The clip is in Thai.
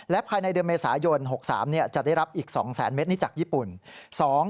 ภายในเดือนเมษายน๖๓จะได้รับอีก๒๐๐๐เมตรนี้จากญี่ปุ่น